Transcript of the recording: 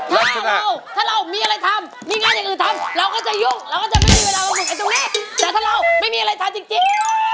ก็ทีเดียวทีเดียว